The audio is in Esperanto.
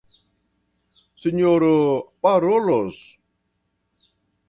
Sinjoro parolos!